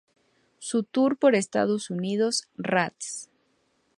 Su tour por Estados Unidos "Rats!